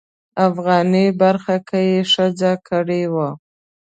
افغاني برخه کې یې ښځه کړې وه.